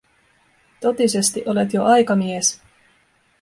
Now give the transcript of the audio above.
Totisesti olet jo aikamies.